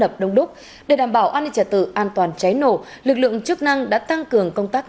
tập đông đúc để đảm bảo an ninh trả tự an toàn cháy nổ lực lượng chức năng đã tăng cường công tác